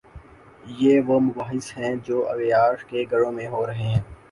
یہ وہ مباحث ہیں جو اغیار کے گھروں میں ہو رہے ہیں؟